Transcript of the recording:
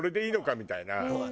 みたいな。